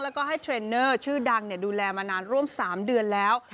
แล้วก็ให้เทรนเนอร์ชื่อดังดูแลมานานร่วม๓เดือนแล้ว